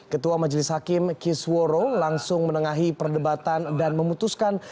ketua majelis hakim kisworo langsung menengahi perdebatan dan memutuskan